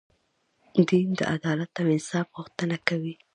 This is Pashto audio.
دین د عدالت او انصاف غوښتنه کوي.